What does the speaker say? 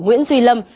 nguyễn duy lâm